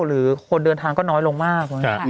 หรือคนเดินทางก็น้อยลงมาก